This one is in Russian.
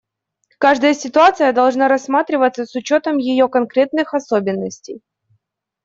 Каждая ситуация должна рассматриваться с учетом ее конкретных особенностей.